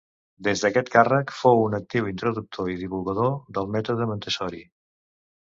Des d'aquest càrrec fou un actiu introductor i divulgador del mètode Montessori.